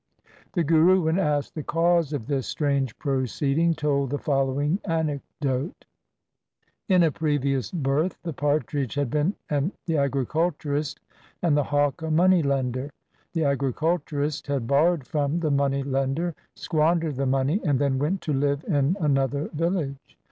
The Guru when asked the cause of this strange proceeding told the following anecdote :' In a previous birth the partridge had been an agricul turist, and the hawk a money lender. The agri culturist had borrowed from the money lender, squandered the money, and then went to five in another village.